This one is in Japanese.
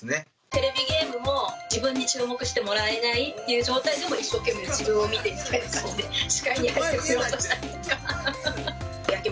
テレビゲームも、自分に注目してもらえないっていう状態でも、一生懸命、自分を見てって感じで、視界に入ってこようとして。